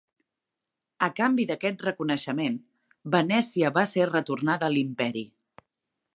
A canvi d'aquest reconeixement, Venècia va ser retornada a l'Imperi.